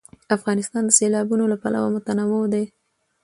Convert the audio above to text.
افغانستان د سیلابونه له پلوه متنوع دی.